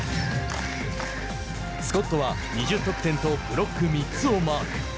スコットは２０得点とブロック３つをマーク。